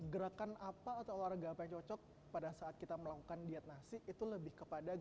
gerakan apa atau olahraga apa yang cocok pada saat kita melakukan diet nasi itu lebih kepada